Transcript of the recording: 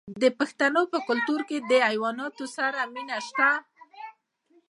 د پښتنو په کلتور کې د حیواناتو سره مینه شته.